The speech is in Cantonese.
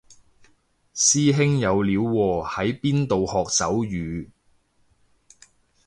師兄有料喎喺邊度學手語